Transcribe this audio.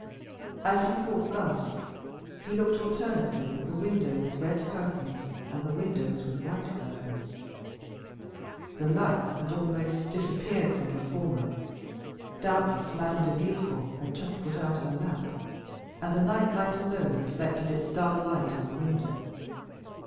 As he thought thus, he looked alternately at the window with red curtains and the three windows with white curtains. The light had almost disappeared from the former; doubtless Madame de Villefort had just put out her lamp, and the nightlamp alone reflected its dull light on the window.